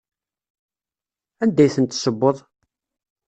Anda ay tent-tessewweḍ?